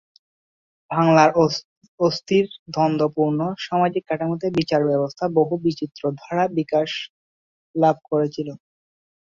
বাংলার অস্থির, দ্বন্দ্বপূর্ণ সামাজিক কাঠামোতে বিচারব্যবস্থার বহু বিচিত্র ধারা বিকাশ লাভ করেছিল।